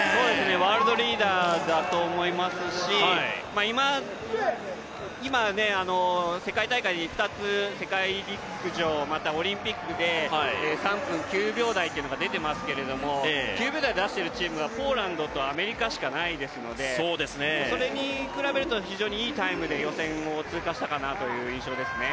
ワールドリーダーだと思いますし、世界大会２つ、世界陸上、またオリンピックで３分９秒台というのが出ていますけど９秒台を出しているチームはポーランドとアメリカしかないですのでそれに比べると非常にいいタイムで予選を通過したかなという印象ですね。